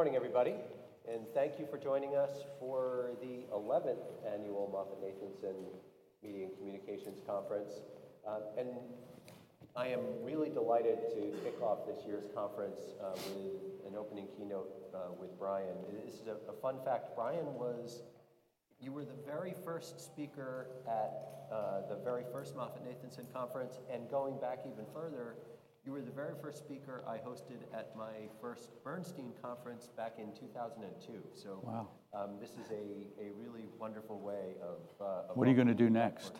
Good morning, everybody, and thank you for joining us for the eleventh annual MoffettNathanson Media and Communications Conference. I am really delighted to kick off this year's conference with an opening keynote with Brian. This is a fun fact: Brian was... You were the very first speaker at the very first MoffettNathanson conference, and going back even further, you were the very first speaker I hosted at my first Bernstein conference back in 2002. So- Wow! this is a really wonderful way of What are you going to do next?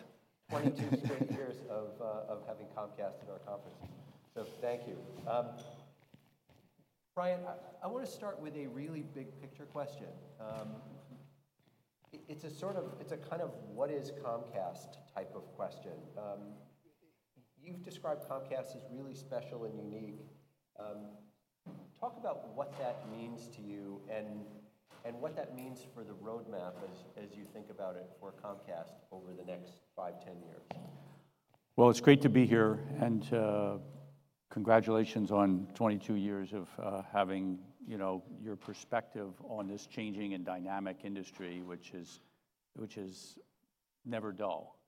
22 straight years of having Comcast at our conference. So thank you. Brian, I want to start with a really big-picture question. It's a sort of, it's a kind of "what is Comcast?" type of question. You've described Comcast as really special and unique. Talk about what that means to you and what that means for the roadmap as you think about it for Comcast over the next 5, 10 years. Well, it's great to be here, and congratulations on 22 years of having, you know, your perspective on this changing and dynamic industry, which is never dull.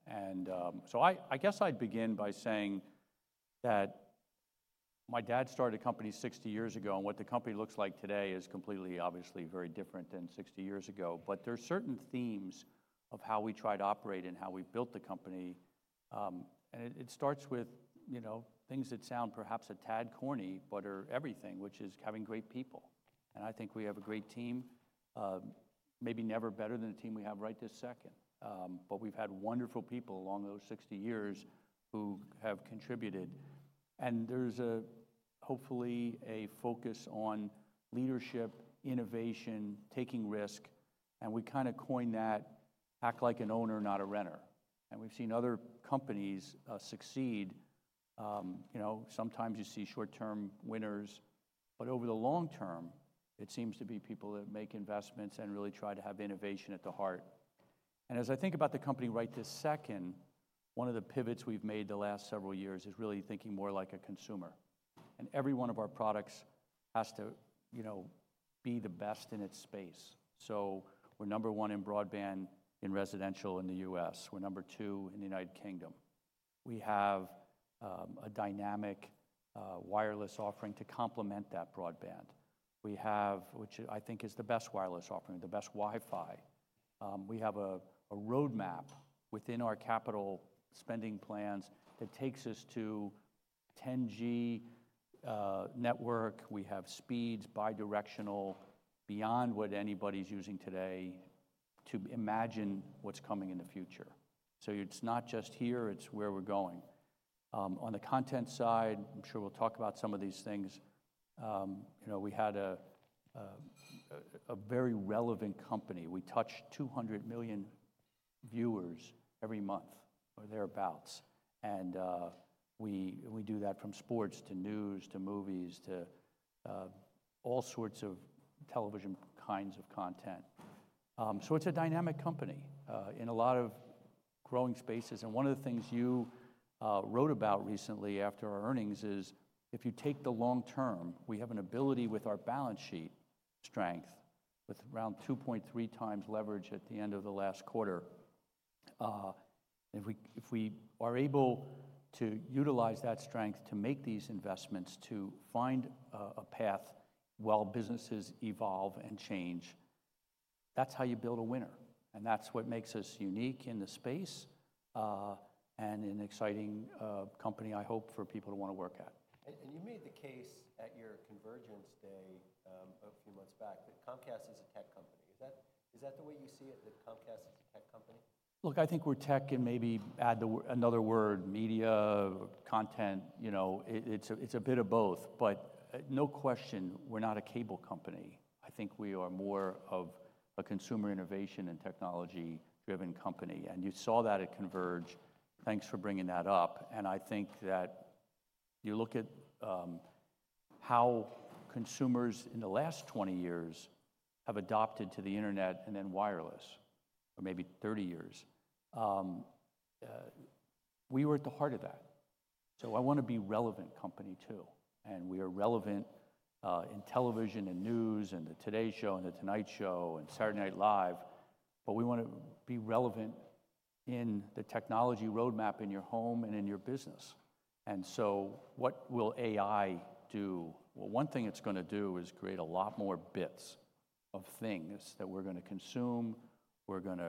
So I guess I'd begin by saying that my dad started a company 60 years ago, and what the company looks like today is completely, obviously very different than 60 years ago. But there are certain themes of how we try to operate and how we built the company. And it starts with, you know, things that sound perhaps a tad corny but are everything, which is having great people, and I think we have a great team. Maybe never better than the team we have right this second. But we've had wonderful people along those 60 years who have contributed, and there's hopefully a focus on leadership, innovation, taking risk, and we kind of coined that: act like an owner, not a renter. And we've seen other companies succeed. You know, sometimes you see short-term winners, but over the long term, it seems to be people that make investments and really try to have innovation at the heart. And as I think about the company right this second, one of the pivots we've made the last several years is really thinking more like a consumer, and every one of our products has to, you know, be the best in its space. So we're number one in broadband in residential in the U.S.; we're number two in the United Kingdom. We have a dynamic wireless offering to complement that broadband. We have, which I think is the best wireless offering, the best Wi-Fi. We have a roadmap within our capital spending plans that takes us to 10G network. We have speeds bidirectional, beyond what anybody's using today, to imagine what's coming in the future. So it's not just here, it's where we're going. On the content side, I'm sure we'll talk about some of these things. You know, we had a very relevant company. We touch 200 million viewers every month, or thereabouts, and we do that from sports to news, to movies, to all sorts of television kinds of content. So it's a dynamic company in a lot of growing spaces. One of the things you wrote about recently after our earnings is, if you take the long term, we have an ability with our balance sheet strength, with around 2.3 times leverage at the end of the last quarter. If we are able to utilize that strength to make these investments, to find a path while businesses evolve and change, that's how you build a winner, and that's what makes us unique in the space, and an exciting company, I hope, for people to want to work at. And you made the case at your Convergence Day, a few months back, that Comcast is a tech company. Is that, is that the way you see it, that Comcast is a tech company? Look, I think we're tech, and maybe add the word, another word, media, content. You know, it's a bit of both, but no question, we're not a cable company. I think we are more of a consumer innovation and technology-driven company, and you saw that at Converge. Thanks for bringing that up. I think that you look at how consumers in the last 20 years have adopted to the internet and then wireless, or maybe 30 years. We were at the heart of that. So I want to be relevant company, too, and we are relevant in television and news, and The Today Show, and The Tonight Show, and Saturday Night Live, but we want to be relevant in the technology roadmap in your home and in your business. So what will AI do? Well, one thing it's going to do is create a lot more bits of things that we're going to consume, we're going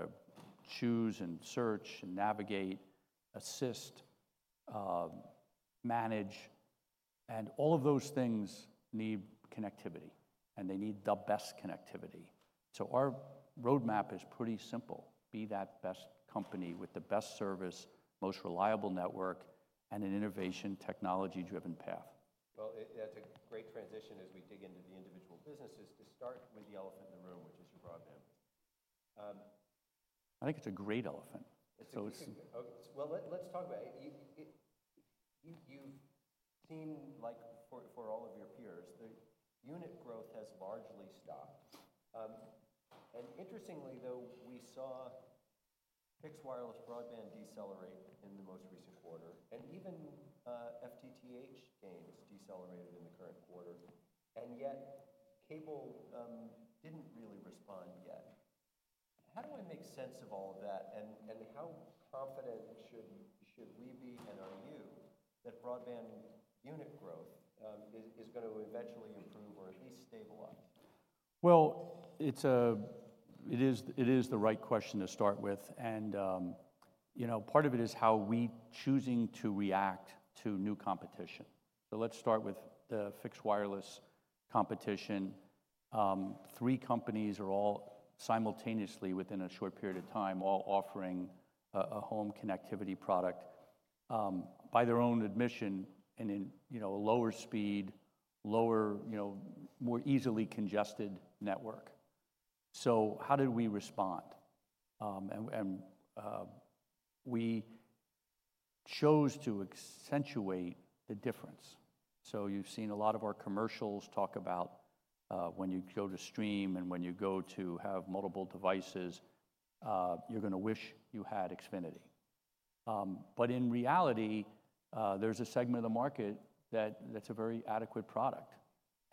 to choose and search and navigate, assist, manage, and all of those things need connectivity, and they need the best connectivity. So our roadmap is pretty simple: be that best company with the best service, most reliable network, and an innovation, technology-driven path. Well, that's a great transition as we dig into the individual businesses. To start with the elephant in the room, which is your broadband. I think it's a great elephant. So it's- Okay, well, let's talk about it. You've seen, like for all of your peers, the unit growth has largely stopped. Interestingly though, we saw fixed wireless broadband decelerate in the most recent quarter, and even FTTH gains decelerated in the current quarter, and yet cable didn't really respond yet. How do I make sense of all of that, and how confident should we be, and are you, that broadband unit growth is going to eventually improve or at least stabilize? Well, it is, it is the right question to start with, and, you know, part of it is how we choosing to react to new competition. So let's start with the fixed wireless competition. Three companies are all simultaneously, within a short period of time, all offering a home connectivity product, by their own admission, and in, you know, a lower speed, lower, you know, more easily congested network. So how did we respond? And we chose to accentuate the difference. So you've seen a lot of our commercials talk about when you go to stream and when you go to have multiple devices, you're going to wish you had Xfinity. But in reality, there's a segment of the market that, that's a very adequate product.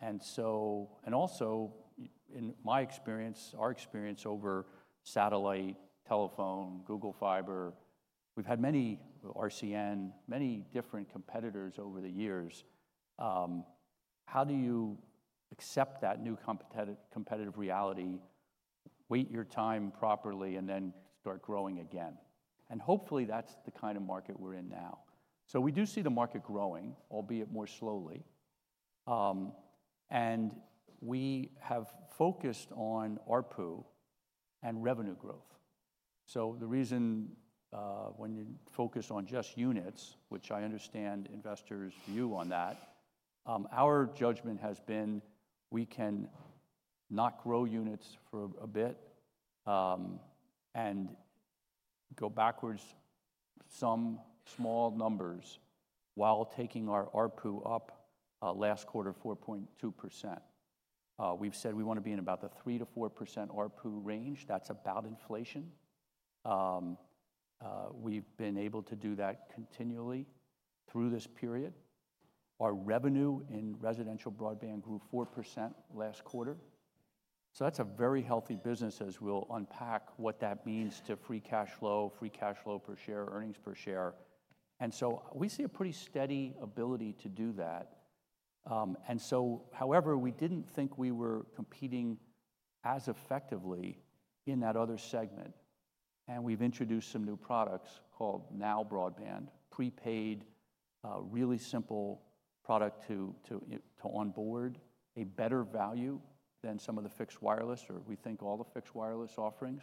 And so... Also, in my experience, our experience over satellite, telephone, Google Fiber, we've had many, RCN, many different competitors over the years. How do you accept that new competitive reality, wait your time properly, and then start growing again? Hopefully, that's the kind of market we're in now. So we do see the market growing, albeit more slowly. And we have focused on ARPU and revenue growth. So the reason, when you focus on just units, which I understand investors' view on that, our judgment has been we can not grow units for a bit, and go backwards some small numbers while taking our ARPU up, last quarter, 4.2%. We've said we want to be in about the 3%-4% ARPU range. That's about inflation. We've been able to do that continually through this period. Our revenue in residential broadband grew 4% last quarter, so that's a very healthy business, as we'll unpack what that means to free cash flow, free cash flow per share, earnings per share. We see a pretty steady ability to do that. However, we didn't think we were competing as effectively in that other segment, and we've introduced some new products called NOW Broadband, prepaid, really simple product to onboard, a better value than some of the fixed wireless, or we think all the fixed wireless offerings.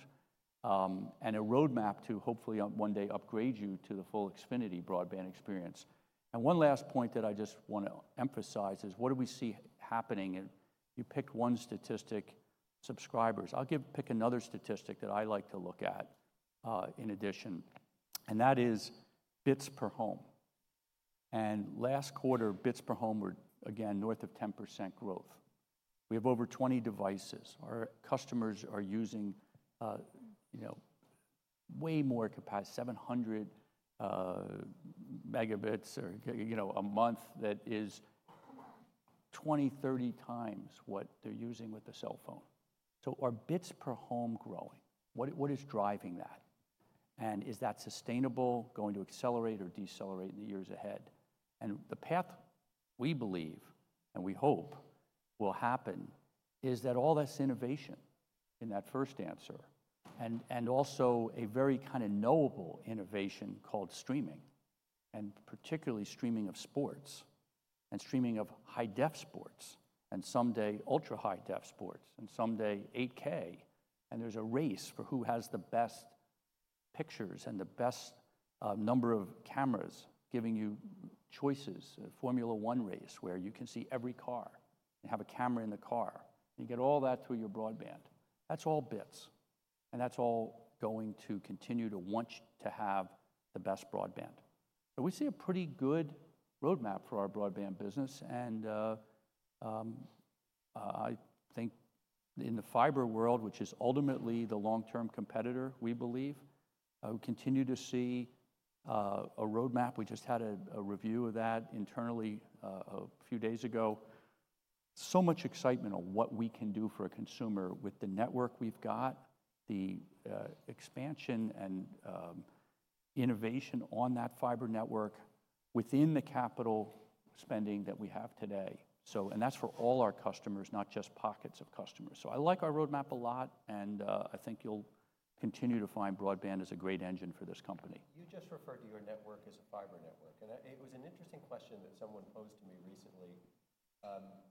A roadmap to hopefully one day upgrade you to the full Xfinity broadband experience. One last point that I just want to emphasize is what do we see happening, and you picked one statistic, subscribers. I'll pick another statistic that I like to look at, in addition, and that is bits per home. And last quarter, bits per home were, again, north of 10% growth. We have over 20 devices. Our customers are using, you know, way more capacity, 700 megabits or, you know, a month, that is 20-30 times what they're using with a cell phone. So are bits per home growing? What is driving that? And is that sustainable, going to accelerate or decelerate in the years ahead? And the path we believe, and we hope will happen, is that all this innovation in that first answer, and also a very kind of knowable innovation called streaming, and particularly streaming of sports and streaming of high-def sports, and someday ultra-high-def sports, and someday 8K. There's a race for who has the best pictures and the best number of cameras giving you choices. A Formula One race where you can see every car and have a camera in the car, and you get all that through your broadband. That's all bits, and that's all going to continue to want to have the best broadband. So we see a pretty good roadmap for our broadband business, and I think in the fiber world, which is ultimately the long-term competitor, we believe we continue to see a roadmap. We just had a review of that internally a few days ago. So much excitement on what we can do for a consumer with the network we've got, the expansion and innovation on that fiber network within the capital spending that we have today. So, and that's for all our customers, not just pockets of customers. So I like our roadmap a lot, and I think you'll continue to find broadband is a great engine for this company. You just referred to your network as a fiber network, and it was an interesting question that someone posed to me recently.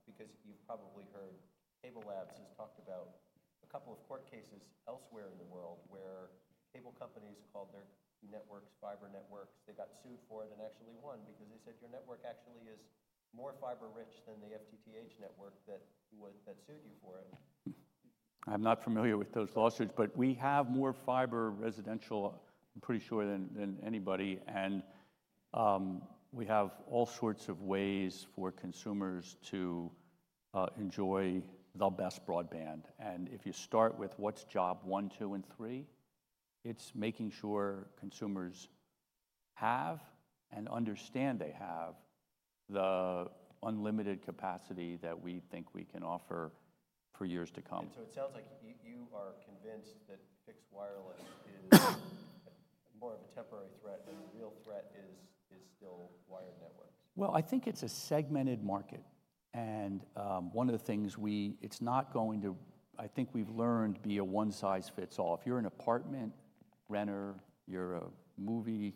Because you've probably heard, CableLabs has talked about a couple of court cases elsewhere in the world where cable companies called their networks fiber networks. They got sued for it and actually won because they said your network actually is more fiber rich than the FTTH network that sued you for it. I'm not familiar with those lawsuits, but we have more fiber residential, I'm pretty sure, than anybody, and we have all sorts of ways for consumers to enjoy the best broadband, and if you start with what's job one, two, and three, it's making sure consumers have and understand they have the unlimited capacity that we think we can offer for years to come. And so it sounds like you are convinced that fixed wireless is more of a temporary threat, and the real threat is still wired networks? Well, I think it's a segmented market, and one of the things we it's not going to, I think we've learned, be a one-size-fits-all. If you're an apartment renter, you're a movie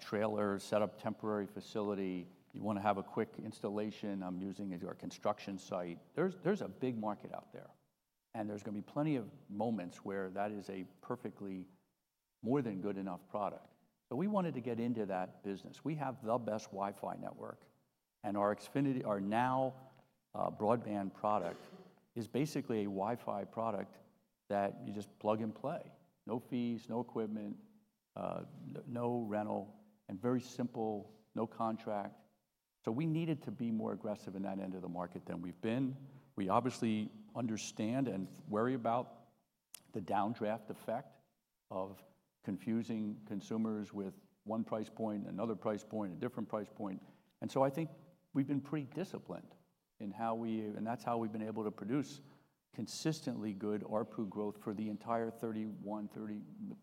trailer set up temporary facility, you wanna have a quick installation, I'm using as your construction site, there's a big market out there, and there's gonna be plenty of moments where that is a perfectly more than good enough product. So we wanted to get into that business. We have the best Wi-Fi network, and our Xfinity, our NOW broadband product is basically a Wi-Fi product that you just plug and play. No fees, no equipment, no rental, and very simple, no contract. So we needed to be more aggressive in that end of the market than we've been. We obviously understand and worry about the downdraft effect of confusing consumers with one price point, another price point, a different price point, and so I think we've been pretty disciplined in how we... And that's how we've been able to produce consistently good ARPU growth for the entire 31,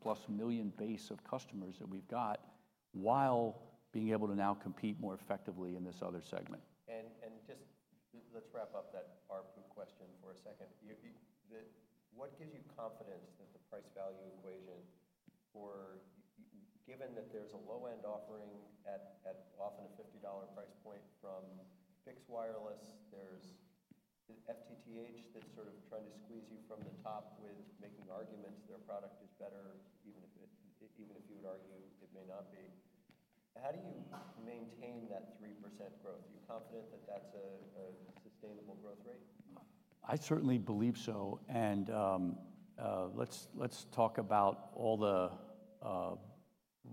+30million base of customers that we've got, while being able to now compete more effectively in this other segment. Just let's wrap up that ARPU question for a second. What gives you confidence that the price value equation for... Given that there's a low-end offering at often a $50 price point from Fixed Wireless, there's FTTH that's sort of trying to squeeze you from the top with making arguments their product is better, even if it, even if you would argue it may not be. How do you maintain that 3% growth? Are you confident that that's a sustainable growth rate? I certainly believe so, and let's talk about all the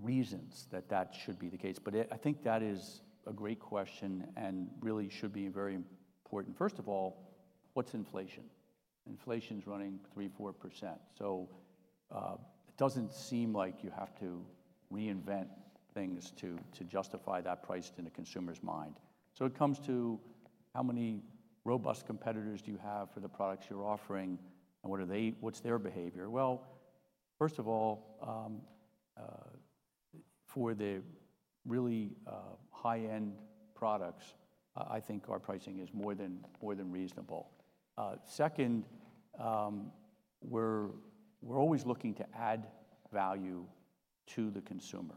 reasons that that should be the case. But I think that is a great question and really should be very important. First of all, what's inflation? Inflation's running 3%-4%, so it doesn't seem like you have to reinvent things to justify that price in a consumer's mind. So it comes to how many robust competitors do you have for the products you're offering, and what are they what's their behavior? Well, first of all, for the really high-end products, I think our pricing is more than reasonable. Second, we're always looking to add value to the consumer.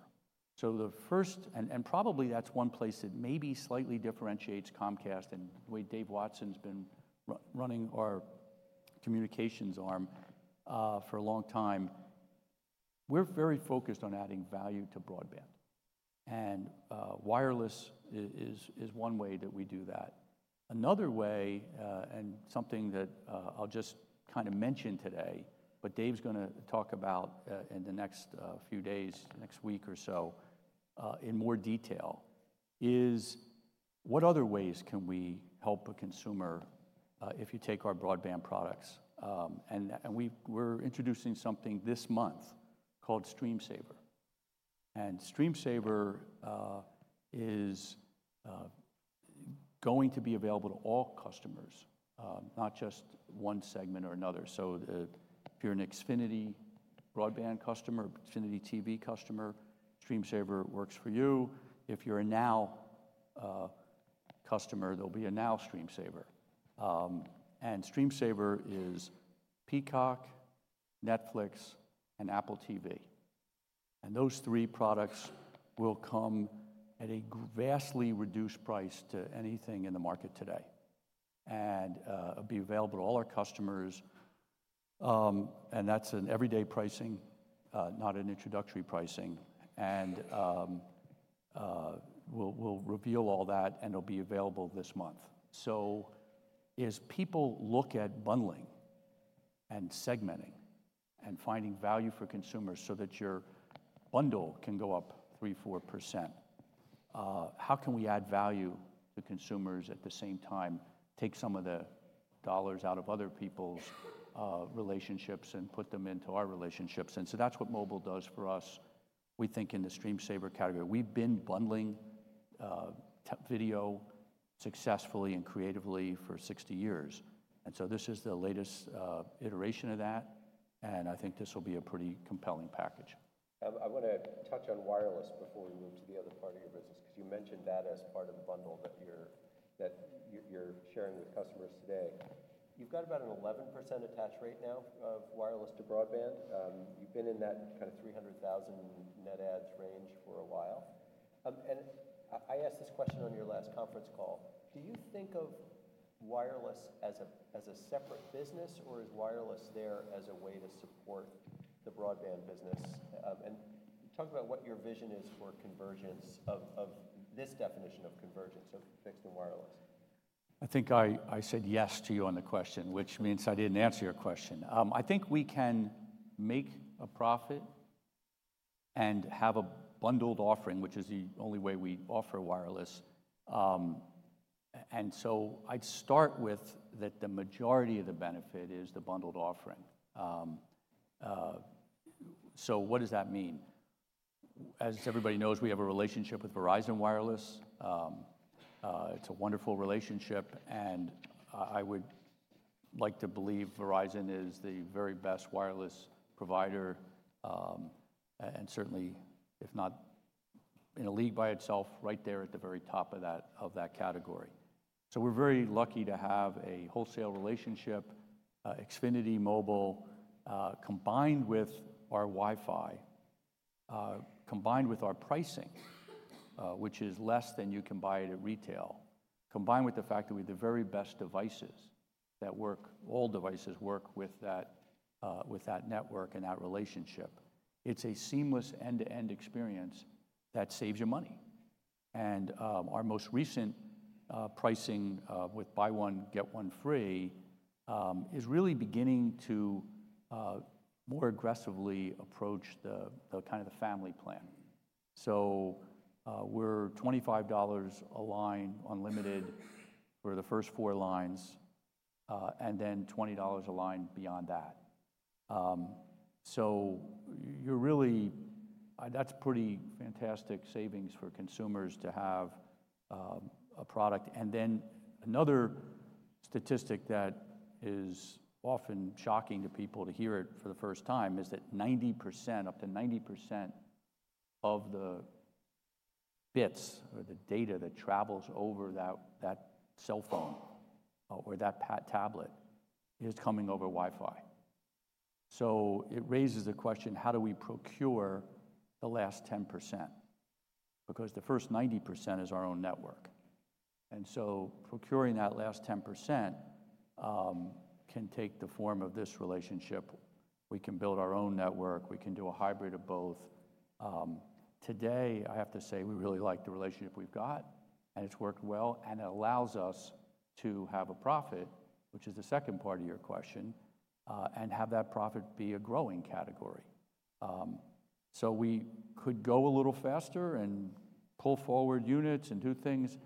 So the first... Probably that's one place that maybe slightly differentiates Comcast and the way Dave Watson's been running our communications arm for a long time. We're very focused on adding value to broadband, and wireless is one way that we do that. Another way, and something that I'll just kind of mention today, but Dave's gonna talk about in the next few days, next week or so, in more detail, is what other ways can we help a consumer if you take our broadband products? And we're introducing something this month called StreamSaver, and StreamSaver is going to be available to all customers, not just one segment or another. So if you're an Xfinity broadband customer, Xfinity TV customer, StreamSaver works for you. If you're a NOW customer, there'll be a NOW StreamSaver. StreamSaver is Peacock, Netflix, and Apple TV, and those three products will come at a vastly reduced price to anything in the market today, and be available to all our customers. And that's an everyday pricing, not an introductory pricing, and we'll reveal all that, and it'll be available this month. So as people look at bundling and segmenting and finding value for consumers so that your bundle can go up 3-4%, how can we add value to consumers at the same time, take some of the dollars out of other people's relationships and put them into our relationships? And so that's what mobile does for us. We think in the StreamSaver category, we've been bundling video successfully and creatively for 60 years, and so this is the latest iteration of that, and I think this will be a pretty compelling package. I wanna touch on wireless before we move to the other part of your business, because you mentioned that as part of the bundle that you're sharing with customers today. You've got about an 11% attach rate now of wireless to broadband. You've been in that kind of 300,000 net adds range for a while. And I asked this question on your last conference call: Do you think of wireless as a separate business, or is wireless there as a way to support the broadband business? And talk about what your vision is for convergence of this definition of convergence of fixed and wireless. I think I said yes to you on the question, which means I didn't answer your question. I think we can make a profit and have a bundled offering, which is the only way we offer wireless. And so I'd start with that, the majority of the benefit is the bundled offering. So what does that mean? As everybody knows, we have a relationship with Verizon Wireless. It's a wonderful relationship, and I would like to believe Verizon is the very best wireless provider, and certainly, if not in a league by itself, right there at the very top of that category. So we're very lucky to have a wholesale relationship. Xfinity Mobile, combined with our Wi-Fi, combined with our pricing, which is less than you can buy it at retail, combined with the fact that we have the very best devices that work, all devices work with that, with that network and that relationship, it's a seamless end-to-end experience that saves you money. Our most recent pricing with buy one, get one free is really beginning to more aggressively approach the kind of the family plan. We're $25 a line unlimited for the first four lines, and then $20 a line beyond that. That's pretty fantastic savings for consumers to have a product. Another statistic that is often shocking to people to hear it for the first time is that 90%, up to 90% of the bits or the data that travels over that, that cell phone or that tablet, is coming over Wi-Fi. So it raises the question: How do we procure the last 10%? Because the first 90% is our own network, and so procuring that last 10%, can take the form of this relationship. We can build our own network, we can do a hybrid of both. Today, I have to say, we really like the relationship we've got, and it's worked well, and it allows us to have a profit, which is the second part of your question, and have that profit be a growing category. So we could go a little faster and pull forward units and do things.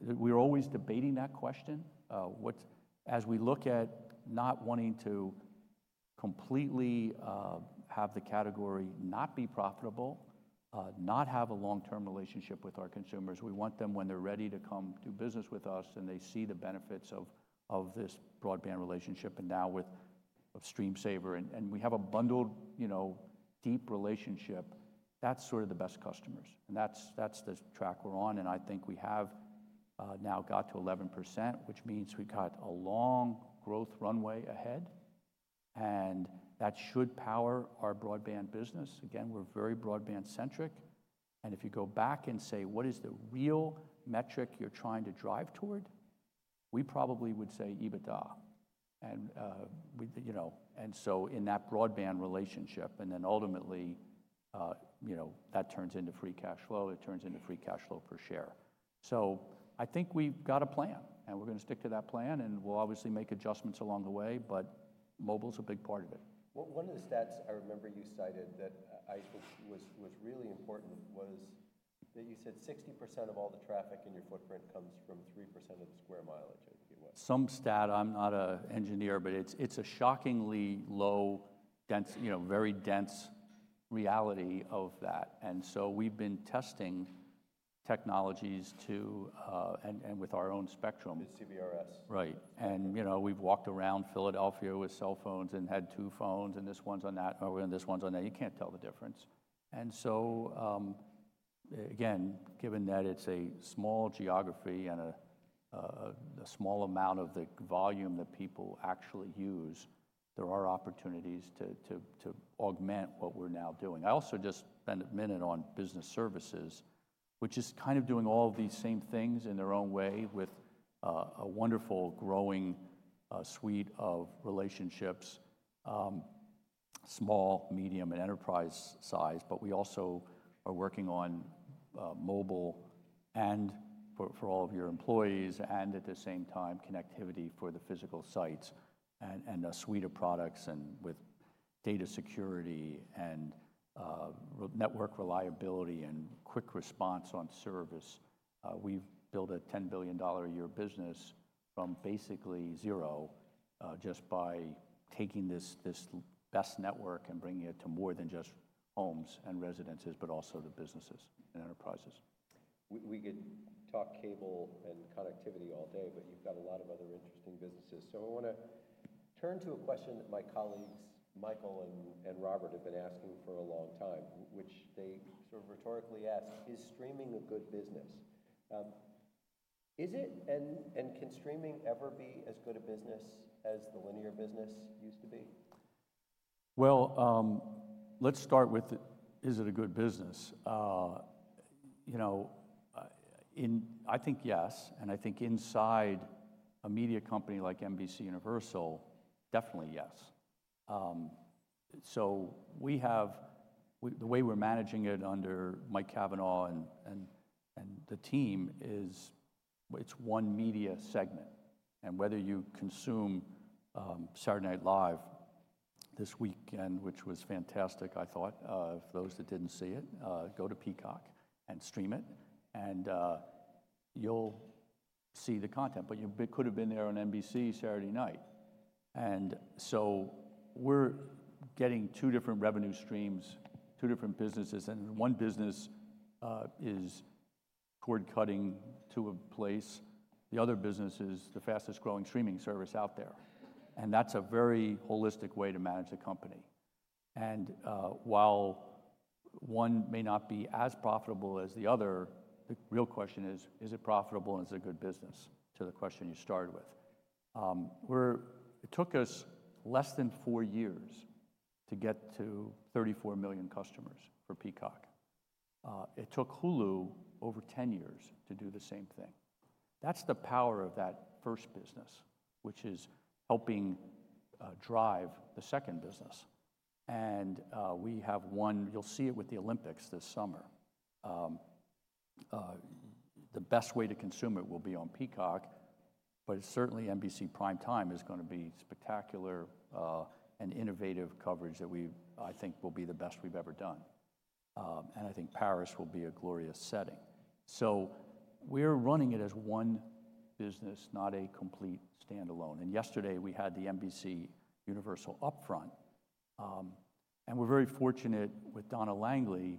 We're always debating that question, what as we look at not wanting to completely have the category not be profitable, not have a long-term relationship with our consumers. We want them, when they're ready, to come do business with us, and they see the benefits of this broadband relationship, and now with StreamSaver, and we have a bundled, you know, deep relationship. That's sort of the best customers, and that's the track we're on, and I think we have now got to 11%, which means we've got a long growth runway ahead, and that should power our broadband business. Again, we're very broadband-centric, and if you go back and say, "What is the real metric you're trying to drive toward?" We probably would say EBITDA. We, you know, and so in that broadband relationship, and then ultimately, you know, that turns into free cash flow. It turns into free cash flow per share. So I think we've got a plan, and we're going to stick to that plan, and we'll obviously make adjustments along the way, but mobile's a big part of it. Well, one of the stats I remember you cited that, I think was really important was that you said 60% of all the traffic in your footprint comes from 3% of the square mileage, I think it was. Some stat, I'm not an engineer, but it's a shockingly low density, you know, very dense reality of that. And so we've been testing technologies to and with our own spectrum. The CBRS. Right. And, you know, we've walked around Philadelphia with cell phones and had two phones, and this one's on that, and this one's on that. You can't tell the difference. And so, again, given that it's a small geography and a small amount of the volume that people actually use, there are opportunities to augment what we're now doing. I also just spent a minute on business services, which is kind of doing all of these same things in their own way, with a wonderful, growing suite of relationships, small, medium, and enterprise size. But we also are working on mobile and for all of your employees, and at the same time, connectivity for the physical sites and a suite of products, and with data security and network reliability and quick response on service. We've built a $10 billion-a-year business from basically zero, just by taking this best network and bringing it to more than just homes and residences, but also the businesses and enterprises. We could talk cable and connectivity all day, but you've got a lot of other interesting businesses. So I want to turn to a question that my colleagues, Michael and Robert, have been asking for a long time, which they sort of rhetorically ask: Is streaming a good business? Is it, and can streaming ever be as good a business as the linear business used to be? Well, let's start with, is it a good business? You know, I think yes, and I think inside a media company like NBCUniversal, definitely yes. So we have, the way we're managing it under Mike Cavanagh and the team is, it's one media segment. And whether you consume Saturday Night Live this weekend, which was fantastic, I thought. For those that didn't see it, go to Peacock and stream it, and you'll see the content. But you could have been there on NBC Saturday night. And so we're getting two different revenue streams, two different businesses, and one business is cord-cutting to a place. The other business is the fastest growing streaming service out there, and that's a very holistic way to manage a company. While one may not be as profitable as the other, the real question is: is it profitable, and is it good business? To the question you started with. It took us less than four years to get to 34 million customers for Peacock. It took Hulu over 10 years to do the same thing. That's the power of that first business, which is helping drive the second business. And we have one... You'll see it with the Olympics this summer. The best way to consume it will be on Peacock, but certainly NBC primetime is gonna be spectacular, and innovative coverage that we've I think will be the best we've ever done. And I think Paris will be a glorious setting. So we're running it as one business, not a complete standalone. Yesterday, we had the NBCUniversal Upfront. We're very fortunate with Donna Langley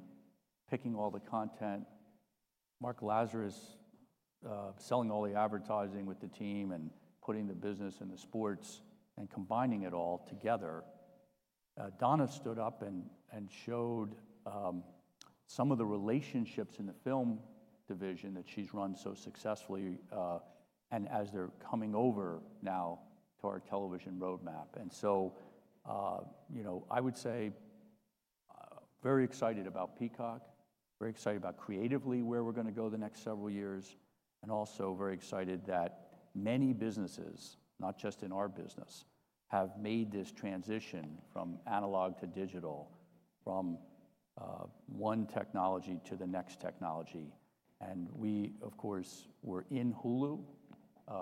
picking all the content, Mark Lazarus selling all the advertising with the team and putting the business and the sports and combining it all together. Donna stood up and showed some of the relationships in the film division that she's run so successfully, and as they're coming over now to our television roadmap. So, you know, I would say very excited about Peacock, very excited about creatively where we're gonna go the next several years, and also very excited that many businesses, not just in our business, have made this transition from analog to digital, from one technology to the next technology. We, of course, were in Hulu.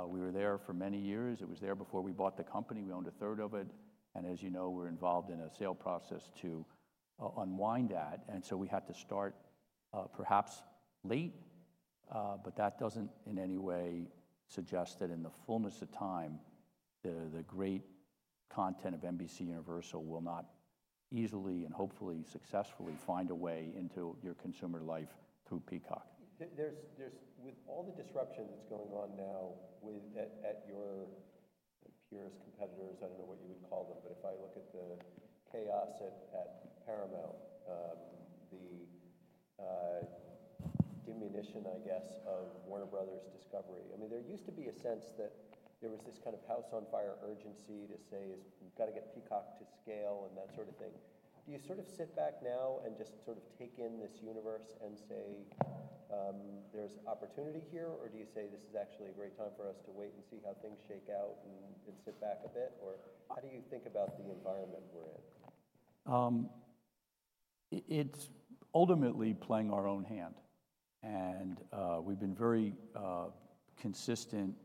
We were there for many years. It was there before we bought the company. We owned a third of it, and as you know, we're involved in a sale process to unwind that, and so we had to start perhaps late. But that doesn't in any way suggest that in the fullness of time, the great content of NBCUniversal will not easily and hopefully successfully find a way into your consumer life through Peacock. There's with all the disruption that's going on now with your purest competitors, I don't know what you would call them, but if I look at the chaos at Paramount, the diminution, I guess, of Warner Bros. Discovery. I mean, there used to be a sense that there was this kind of house on fire urgency to say, "We've got to get Peacock to scale," and that sort of thing. Do you sort of sit back now and just sort of take in this universe and say, there's opportunity here? Or do you say, this is actually a great time for us to wait and see how things shake out and sit back a bit? Or how do you think about the environment we're in? It's ultimately playing our own hand, and we've been very consistent.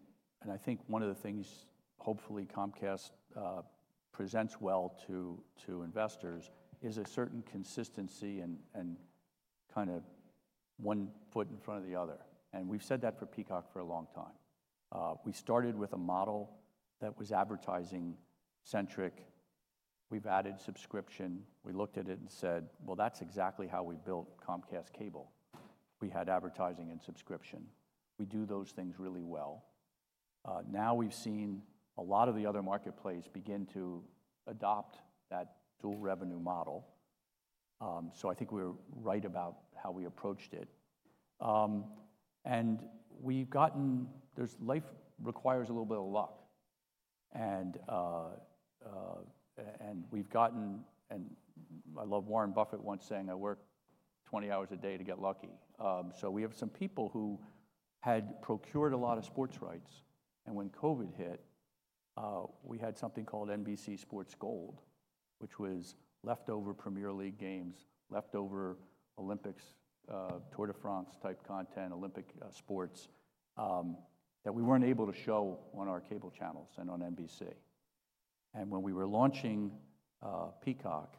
I think one of the things, hopefully Comcast presents well to investors, is a certain consistency and kind of one foot in front of the other, and we've said that for Peacock for a long time. We started with a model that was advertising-centric. We've added subscription. We looked at it and said, "Well, that's exactly how we built Comcast Cable." We had advertising and subscription. We do those things really well. Now we've seen a lot of the other marketplace begin to adopt that dual revenue model, so I think we're right about how we approached it. And we've gotten life requires a little bit of luck, and we've gotten... I love Warren Buffett once saying, "I work 20 hours a day to get lucky." So we have some people who had procured a lot of sports rights, and when COVID hit, we had something called NBC Sports Gold, which was leftover Premier League games, leftover Olympics, Tour de France-type content, Olympic sports, that we weren't able to show on our cable channels and on NBC. When we were launching Peacock,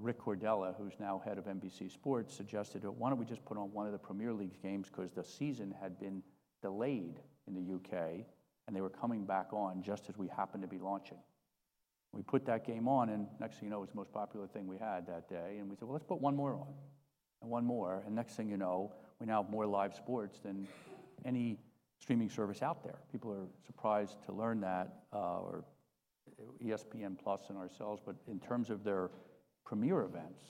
Rick Cordella, who's now head of NBC Sports, suggested that why don't we just put on one of the Premier League games? Because the season had been delayed in the U.K. and they were coming back on just as we happened to be launching. We put that game on, and next thing you know, it's the most popular thing we had that day, and we said, "Well, let's put one more on, and one more," and next thing you know, we now have more live sports than any streaming service out there. People are surprised to learn that, or ESPN Plus and ourselves, but in terms of their premier events,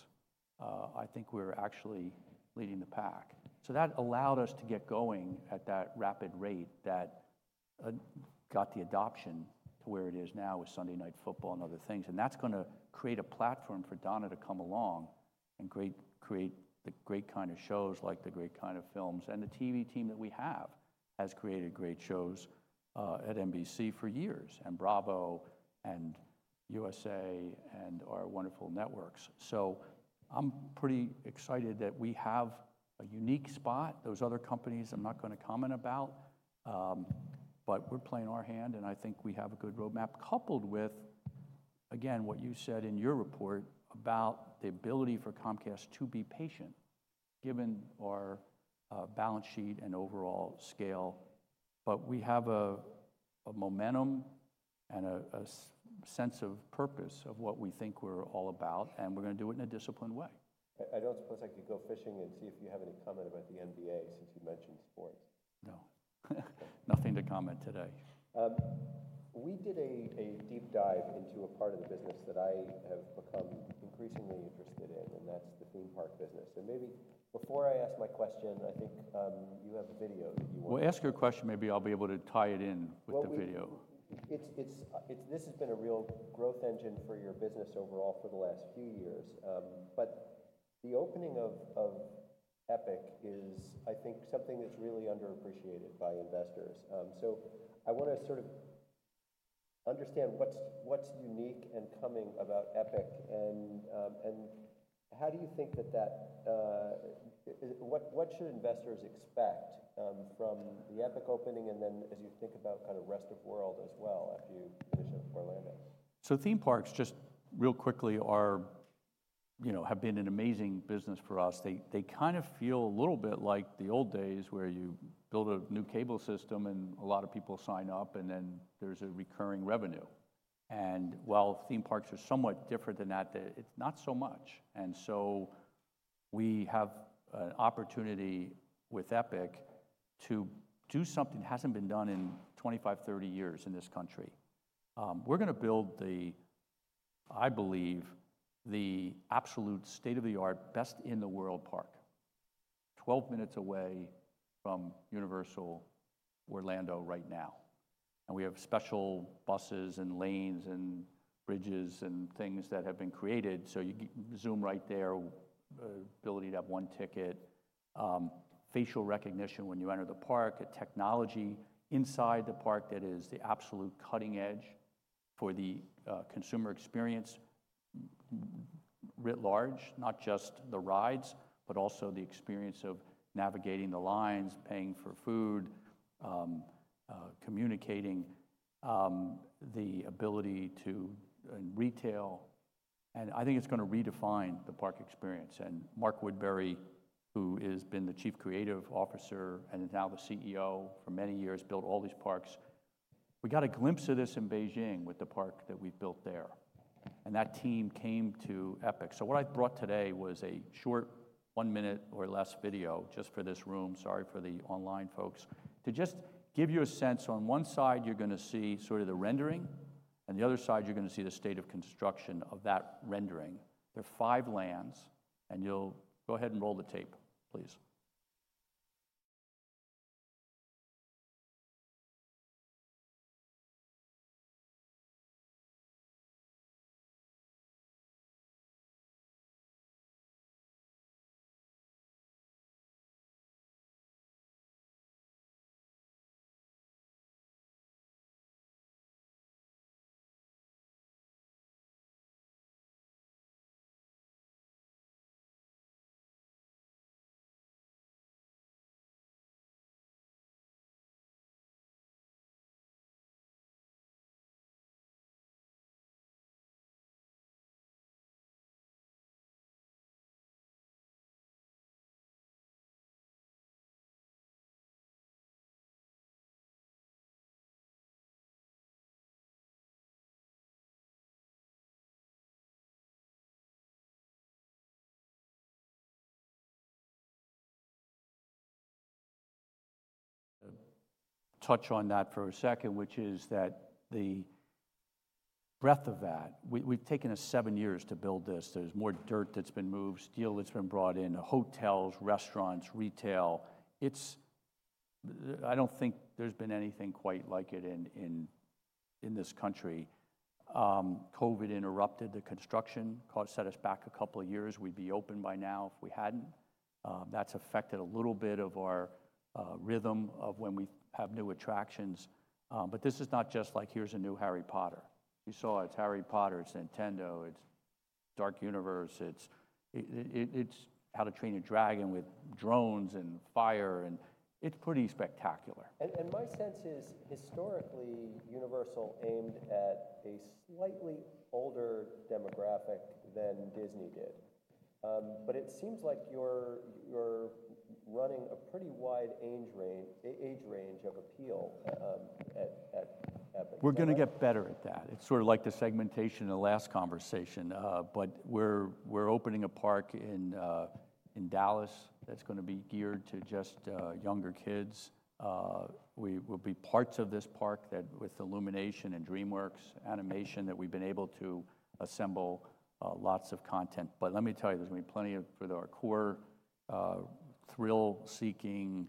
I think we're actually leading the pack. So that allowed us to get going at that rapid rate that got the adoption to where it is now with Sunday Night Football and other things, and that's gonna create a platform for Donna to come along.... and great, create the great kind of shows, like the great kind of films. And the TV team that we have has created great shows at NBC for years, and Bravo, and USA, and our wonderful networks. So I'm pretty excited that we have a unique spot. Those other companies, I'm not gonna comment about, but we're playing our hand, and I think we have a good roadmap, coupled with, again, what you said in your report about the ability for Comcast to be patient, given our balance sheet and overall scale. But we have a momentum and a sense of purpose of what we think we're all about, and we're gonna do it in a disciplined way. I don't suppose I could go fishing and see if you have any comment about the NBA, since you mentioned sports? No. Nothing to comment today. We did a deep dive into a part of the business that I have become increasingly interested in, and that's the theme park business. Maybe before I ask my question, I think you have a video that you want- Well, ask your question. Maybe I'll be able to tie it in with the video. Well, this has been a real growth engine for your business overall for the last few years. But the opening of Epic is, I think, something that's really underappreciated by investors. So I want to sort of understand what's unique and coming about Epic, and how do you think that... What should investors expect from the Epic opening, and then as you think about kind of rest of world as well, after you finish up Orlando? So theme parks, just real quickly, are, you know, have been an amazing business for us. They, they kind of feel a little bit like the old days, where you build a new cable system and a lot of people sign up, and then there's a recurring revenue. And while theme parks are somewhat different than that, they- it's not so much. And so we have an opportunity with Epic to do something that hasn't been done in 25, 30 years in this country. We're gonna build the, I believe, the absolute state-of-the-art, best-in-the-world park, 12 minutes away from Universal Orlando right now. And we have special buses and lanes and bridges and things that have been created, so you can zoom right there, ability to have one ticket. Facial recognition when you enter the park, a technology inside the park that is the absolute cutting edge for the consumer experience writ large, not just the rides, but also the experience of navigating the lines, paying for food, communicating, the ability to in retail, and I think it's gonna redefine the park experience. And Mark Woodbury, who has been the chief creative officer and now the CEO for many years, built all these parks. We got a glimpse of this in Beijing with the park that we built there, and that team came to Epic. So what I brought today was a short one minute or less video, just for this room, sorry for the online folks, to just give you a sense. On one side, you're gonna see sort of the rendering, and the other side, you're gonna see the state of construction of that rendering. There are five lands, and you'll go ahead and roll the tape, please. I'll touch on that for a second, which is that the breadth of that, we've taken seven years to build this. There's more dirt that's been moved, steel that's been brought in, hotels, restaurants, retail. It's... I don't think there's been anything quite like it in this country. COVID interrupted the construction, kind of set us back a couple of years. We'd be open by now if we hadn't. That's affected a little bit of our rhythm of when we have new attractions. But this is not just like, here's a new Harry Potter. You saw it's Harry Potter, it's Nintendo, it's Dark Universe, it's How to Train Your Dragon with drones and fire, and it's pretty spectacular. My sense is, historically, Universal aimed at a slightly older demographic than Disney did. But it seems like you're running a pretty wide age range of appeal at Epic. We're gonna get better at that. It's sort of like the segmentation in the last conversation. But we're opening a park in Dallas that's gonna be geared to just younger kids. We will be parts of this park that with Illumination and DreamWorks Animation, that we've been able to assemble lots of content. But let me tell you, there's gonna be plenty of, for our core thrill-seeking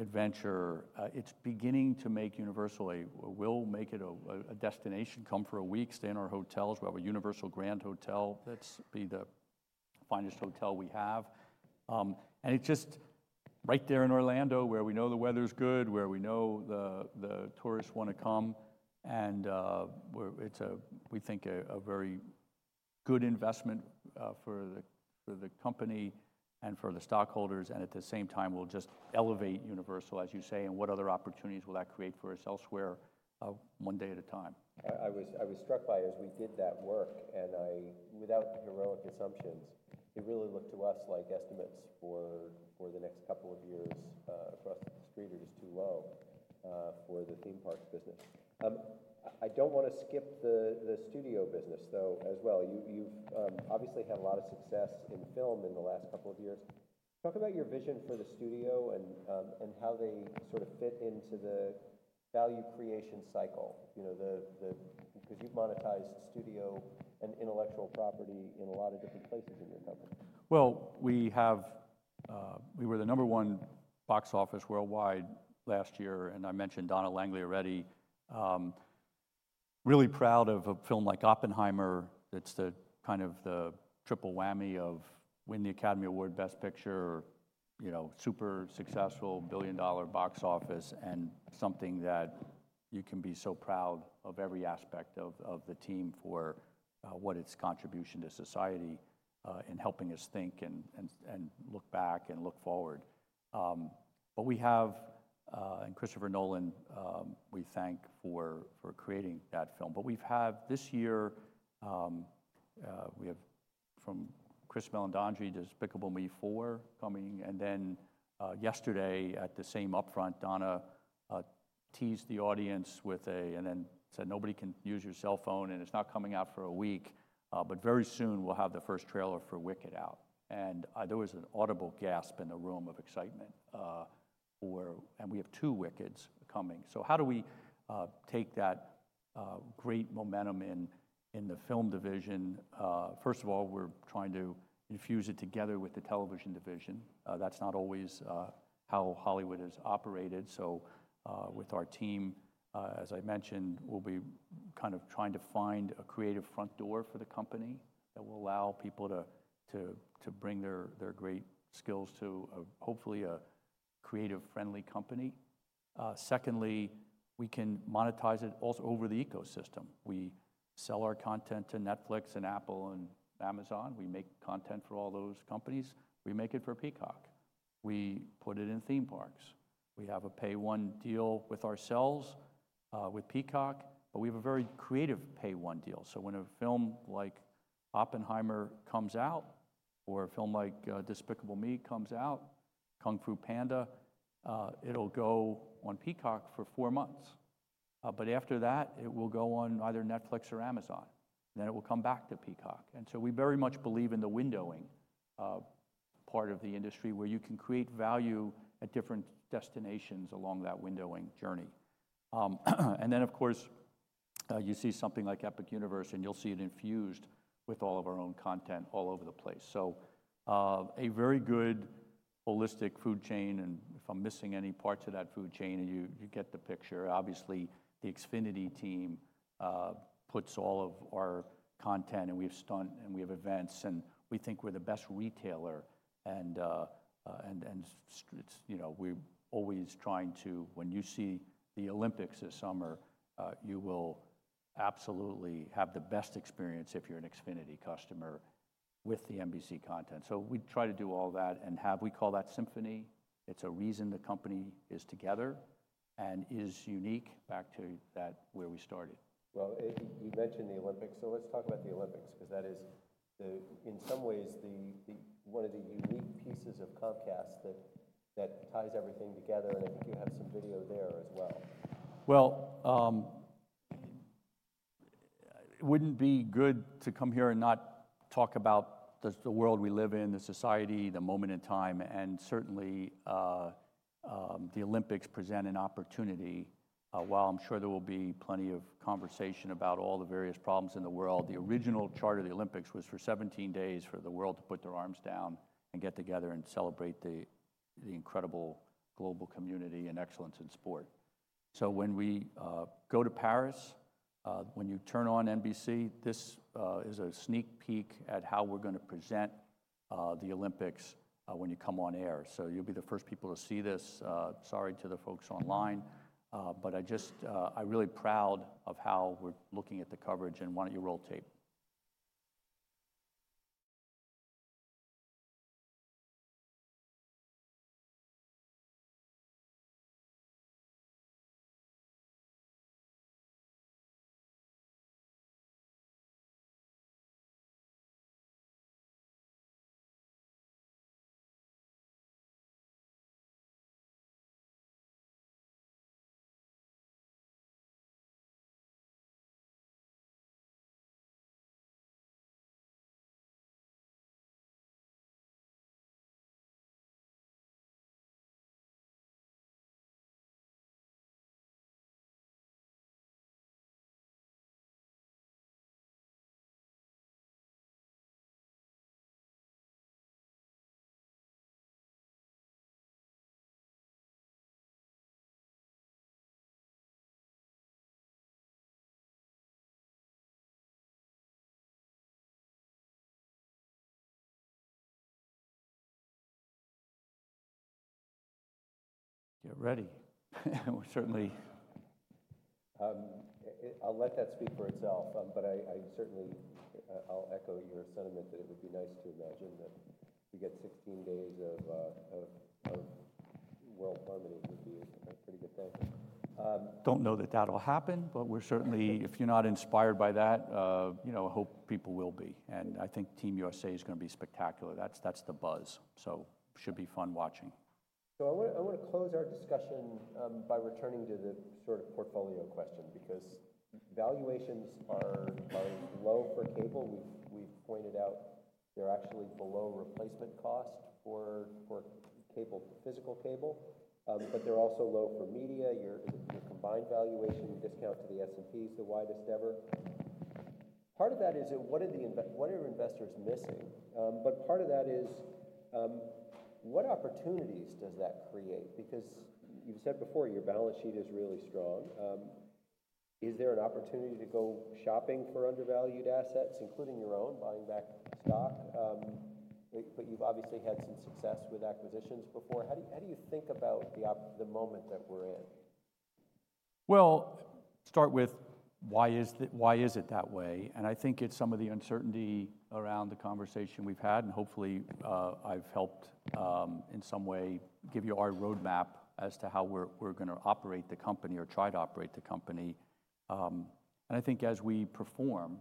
adventure. It's beginning to make Universal a destination. We'll make it a destination. Come for a week, stay in our hotels. We have a Universal Grand Hotel that's the finest hotel we have. And it's just right there in Orlando, where we know the weather's good, where we know the tourists wanna come, and it's a, we think, a very good investment for the company and for the stockholders, and at the same time, will just elevate Universal, as you say, and what other opportunities will that create for us elsewhere? One day at a time. I was struck by, as we did that work, and I... Without heroic assumptions, it really looked to us like estimates for the next couple of years across the street are just too low for the theme parks business. I don't wanna skip the studio business, though, as well. You've obviously had a lot of success in film in the last couple of years. Talk about your vision for the studio and how they sort of fit into the value creation cycle. You know, 'cause you've monetized studio and intellectual property in a lot of different places in your company. Well, we have... We were the number one box office worldwide last year, and I mentioned Donna Langley already. Really proud of a film like Oppenheimer. It's the kind of the triple whammy of win the Academy Award Best Picture, you know, super successful billion-dollar box office, and something that you can be so proud of every aspect of, of the team for, what its contribution to society, in helping us think and, and, and look back and look forward. But we have... And Christopher Nolan, we thank for, for creating that film. But we've had this year, we have from Chris Meledandri, Despicable Me for coming, and then, yesterday, at the same upfront, Donna teased the audience and then said, "Nobody can use your cellphone, and it's not coming out for a week, but very soon we'll have the first trailer for Wicked out." And there was an audible gasp in the room of excitement for... And we have two Wickeds coming. So how do we take that great momentum in the film division? First of all, we're trying to infuse it together with the television division. That's not always how Hollywood has operated, so with our team, as I mentioned, we'll be kind of trying to find a creative front door for the company that will allow people to bring their great skills to a hopefully creative, friendly company. Secondly, we can monetize it also over the ecosystem. We sell our content to Netflix and Apple and Amazon. We make content for all those companies. We make it for Peacock. We put it in theme parks. We have a pay one deal with ourselves with Peacock, but we have a very creative pay one deal. So when a film like Oppenheimer comes out, or a film like Despicable Me comes out, Kung Fu Panda, it'll go on Peacock for four months. But after that, it will go on either Netflix or Amazon, then it will come back to Peacock. And so we very much believe in the windowing part of the industry, where you can create value at different destinations along that windowing journey. And then, of course, you see something like Epic Universe, and you'll see it infused with all of our own content all over the place. So, a very good holistic food chain, and if I'm missing any parts of that food chain, you get the picture. Obviously, the Xfinity team puts all of our content, and we have stunt, and we have events, and we think we're the best retailer, and it's, you know, we're always trying to... When you see the Olympics this summer, you will absolutely have the best experience if you're an Xfinity customer with the NBC content. So we try to do all that, and we call that Symphony? It's a reason the company is together and is unique. Back to that, where we started. Well, you mentioned the Olympics, so let's talk about the Olympics, 'cause that is in some ways one of the unique pieces of Comcast that ties everything together, and I think you have some video there as well. Well, it wouldn't be good to come here and not talk about the world we live in, the society, the moment in time, and certainly the Olympics present an opportunity. While I'm sure there will be plenty of conversation about all the various problems in the world, the original charter of the Olympics was for 17 days for the world to put their arms down and get together and celebrate the incredible global community and excellence in sport. So when we go to Paris, when you turn on NBC, this is a sneak peek at how we're gonna present the Olympics when you come on air. So you'll be the first people to see this. Sorry to the folks online, but I just, I'm really proud of how we're looking at the coverage, and why don't you roll tape?... Get ready. We're certainly- I'll let that speak for itself. But I certainly I'll echo your sentiment that it would be nice to imagine that we get 16 days of world harmony would be a pretty good thing. Don't know that that'll happen, but we're certainly... If you're not inspired by that, you know, I hope people will be, and I think Team USA is going to be spectacular. That's, that's the buzz, so should be fun watching. So I want to close our discussion by returning to the sort of portfolio question, because valuations are low for cable. We've pointed out they're actually below replacement cost for cable, physical cable, but they're also low for media. Your combined valuation discount to the S&P is the widest ever. Part of that is, what are investors missing? But part of that is, what opportunities does that create? Because you've said before, your balance sheet is really strong. Is there an opportunity to go shopping for undervalued assets, including your own, buying back stock? But you've obviously had some success with acquisitions before. How do you think about the moment that we're in? Well, start with why is it, why is it that way? And I think it's some of the uncertainty around the conversation we've had, and hopefully, I've helped in some way give you our roadmap as to how we're going to operate the company or try to operate the company. And I think as we perform,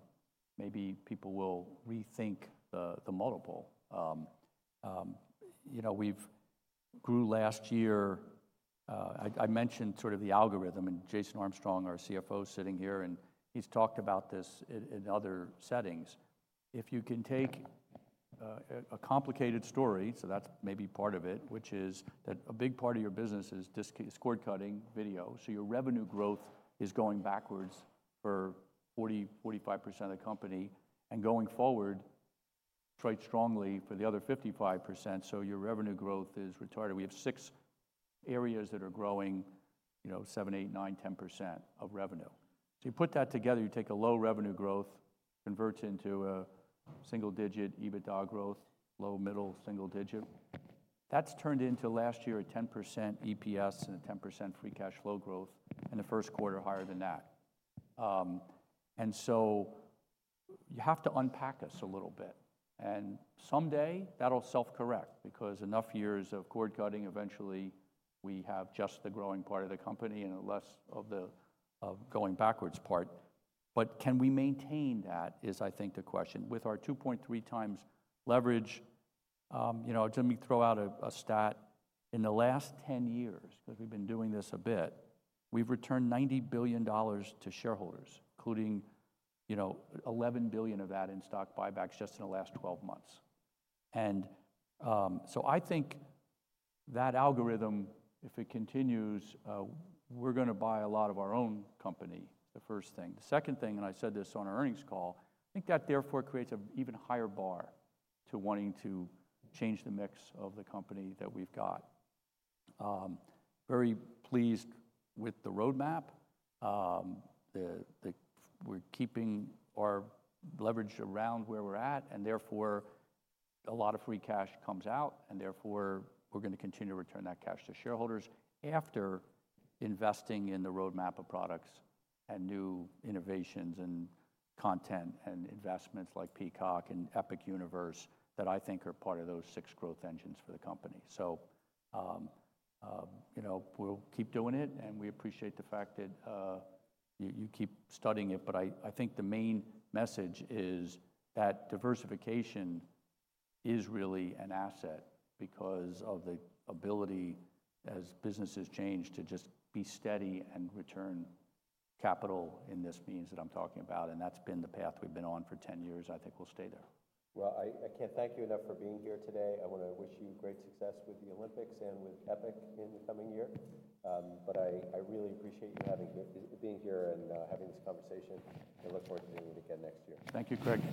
maybe people will rethink the multiple. You know, we've grew last year... I mentioned sort of the algorithm, and Jason Armstrong, our CFO, sitting here, and he's talked about this in other settings. If you can take a complicated story, so that's maybe part of it, which is that a big part of your business is cord-cutting video. So your revenue growth is going backwards for 40-45% of the company, and going forward, quite strongly for the other 55%, so your revenue growth is retarded. We have six areas that are growing, you know, 7%-10% of revenue. So you put that together, you take a low revenue growth, converts into a single-digit EBITDA growth, low-middle single-digit. That's turned into last year, a 10% EPS and a 10% free cash flow growth, in the first quarter, higher than that. And so you have to unpack us a little bit, and someday, that'll self-correct, because enough years of cord-cutting, eventually, we have just the growing part of the company and less of the, of going backwards part. But can we maintain that, is, I think, the question. With our 2.3x leverage, you know, let me throw out a stat. In the last 10 years, because we've been doing this a bit, we've returned $90 billion to shareholders, including, you know, $11 billion of that in stock buybacks just in the last 12 months. And so I think that algorithm, if it continues, we're going to buy a lot of our own company, the first thing. The second thing, and I said this on our earnings call, I think that therefore creates an even higher bar to wanting to change the mix of the company that we've got. Very pleased with the roadmap. We're keeping our leverage around where we're at, and therefore, a lot of free cash comes out, and therefore, we're going to continue to return that cash to shareholders after investing in the roadmap of products and new innovations and content and investments like Peacock and Epic Universe, that I think are part of those six growth engines for the company. So, you know, we'll keep doing it, and we appreciate the fact that you keep studying it. But I think the main message is that diversification is really an asset because of the ability, as businesses change, to just be steady and return capital in this means that I'm talking about, and that's been the path we've been on for 10 years. I think we'll stay there. Well, I can't thank you enough for being here today. I want to wish you great success with the Olympics and with Epic in the coming year. But I really appreciate you being here and having this conversation, and look forward to doing it again next year. Thank you, Craig.